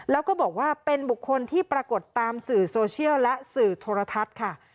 แล้วก็บอกว่าเป็นบุคคลที่ปรากฏตามสื่อโซเชียลและสื่อโทรทัศน์ค่ะ